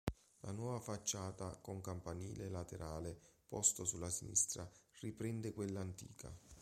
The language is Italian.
La nuova facciata con campanile laterale posto sulla sinistra, riprende quella antica.